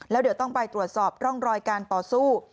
แล้วเดี๋ยวต้องไปตรวจสอบร่องรอยการต่อสู้